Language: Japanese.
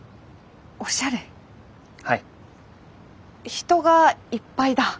人がいっぱいだ。